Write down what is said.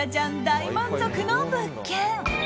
大満足の物件。